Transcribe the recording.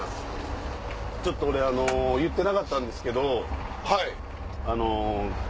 ちょっと俺言ってなかったんですけど。